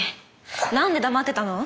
なんで黙ってたの？